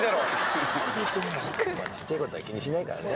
まあちっちゃい事は気にしないからね。